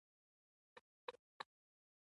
استخراج څوک کوي؟